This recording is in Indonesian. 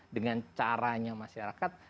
dengan caranya masyarakat